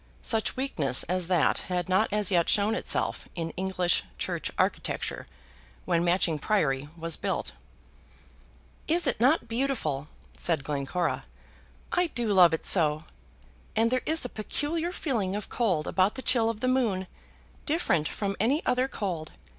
Such weakness as that had not as yet shown itself in English church architecture when Matching Priory was built. [Illustration: The Priory Ruins.] "Is it not beautiful!" said Glencora. "I do love it so! And there is a peculiar feeling of cold about the chill of the moon, different from any other cold.